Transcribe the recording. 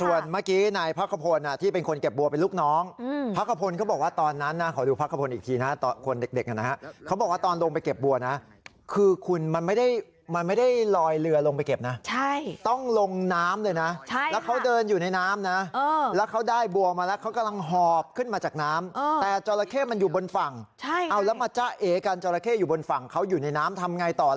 วันนี้ที่ผมพาทุธเทศบาลของที่จันทร์เข้าไปดูเจอรอยเท้าใหม่